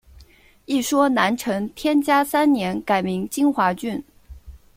一说南陈天嘉三年改名金华郡。